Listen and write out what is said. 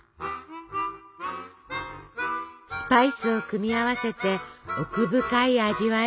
スパイスを組み合わせて奥深い味わい。